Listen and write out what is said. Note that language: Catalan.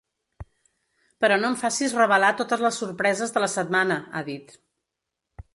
Però no em facis revelar totes les sorpreses de la setmana, ha dit.